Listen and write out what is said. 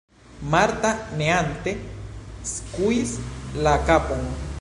Marta neante skuis la kapon.